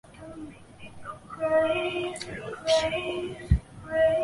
东京鳞毛蕨为鳞毛蕨科鳞毛蕨属下的一个种。